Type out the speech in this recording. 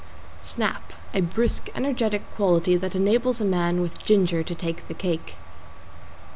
=SNAP= A brisk, energetic quality that enables a man with ginger to take the cake.